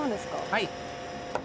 はい。